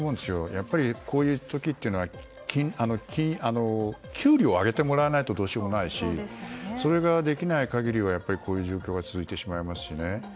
やはり、こういう時は給料を上げてもらわないとどうしようもないしそれができない限りはこういう状況は続いてしまいますしね。